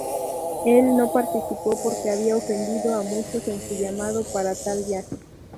Él no participó porque había ofendido a muchos en su llamado para tal viaje.